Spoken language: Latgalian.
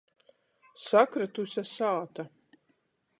Sakrytuse sāta.